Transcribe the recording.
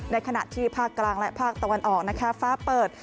ในขณะที่ภาคกลางและภาคตะวันออกนะคะฟ้าเปิด